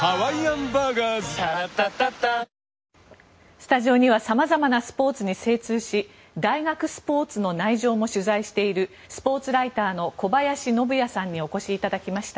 スタジオには様々なスポーツに精通し大学スポーツの内情も取材しているスポーツライターの小林信也さんにお越しいただきました。